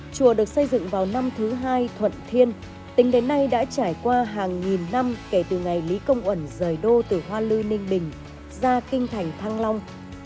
chùa được xây dựng vào năm thứ hai thuận thiên tính đến nay đã trải qua hàng nghìn năm kể từ ngày lý công uẩn rời đô từ hoa lư ninh bình ra kinh thành thăng long